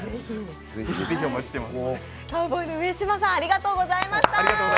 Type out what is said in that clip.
ぜひお待ちしています。